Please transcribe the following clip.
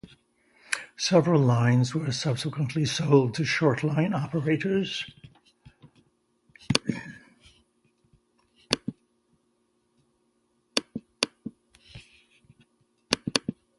Several lines were subsequently sold to shortline operators.